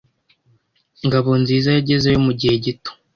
Ngabonziza yagezeyo mugihe gito.